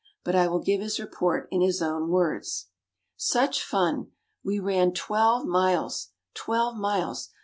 But I will give his report in his own words. "Such fun! We ran twelve miles twelve miles!